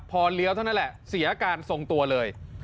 พอเลี้ยวเท่านั้นแหละเสียอาการทรงตัวเลย